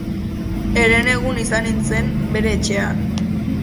Herenegun izan nintzen bere etxean.